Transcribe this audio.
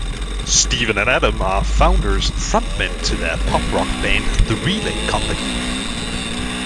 Stephen and Adam are founders and frontmen to their pop-rock band The Relay Company.